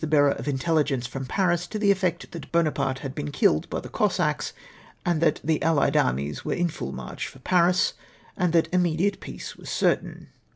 bearer of iiitelligeiice from Paris, to the effect tliat Buonaparte liad been killed by tlie Cossacks — that the allied armies were in full march for Paris — and that immediate peace was certain.